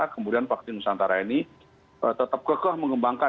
kemudian vaksin nusantara ini tetap kekeh mengembangkan